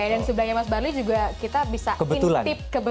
dan sebelahnya mas barli juga kita bisa intip kebetulan